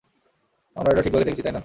আমরা এটা ঠিকভাবে দেখেছি, তাই না?